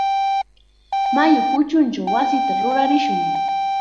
Mayu kuchunchaw wasita rurarishun.